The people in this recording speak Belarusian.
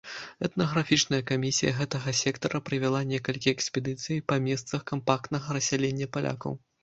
Этнаграфічная камісія гэтага сектара правяла некалькі экспедыцый па месцах кампактнага рассялення палякаў.